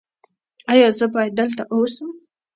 ایا زه باید دلته اوسم؟